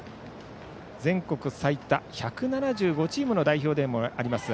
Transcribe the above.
全国最多１７５チームの代表でもあります